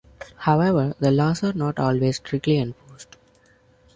However, the laws are not always strictly enforced.